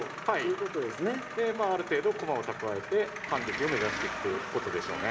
でまあある程度駒を蓄えて反撃を目指していくということでしょうね。